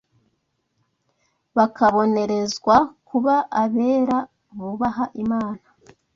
bakabonerezwa kuba abera bubaha Imana